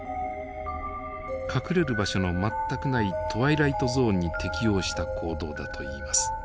隠れる場所の全くないトワイライトゾーンに適応した行動だといいます。